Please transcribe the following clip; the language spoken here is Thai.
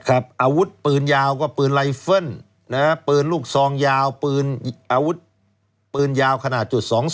อาวุธปืนยาวก็ปืนไลเฟิลปืนลูกซองยาวปืนอาวุธปืนยาวขนาดจุด๒๒